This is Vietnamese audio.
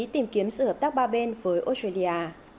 tìm kiếm sự hợp tác ba bên với australia